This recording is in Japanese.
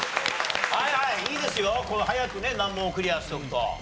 はいはいいいですよ早くね難問をクリアしておくと。